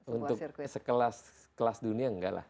untuk sekelas dunia enggak lah